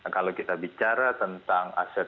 kalau kita bicara tentang aset